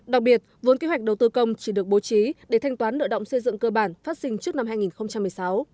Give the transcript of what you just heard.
đặc biệt vốn kế hoạch đầu tư công chỉ được bố trí để thanh toán nợ động xây dựng cơ bản phát sinh trước năm hai nghìn một mươi sáu